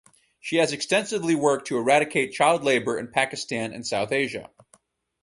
She has extensively worked to eradicate child labour in Pakistan and South Asia.